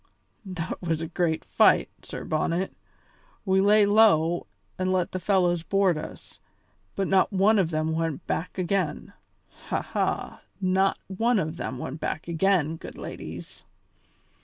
That was a great fight, Sir Bonnet; we lay low and let the fellows board us, but not one of them went back again. Ha! ha! Not one of them went back again, good ladies."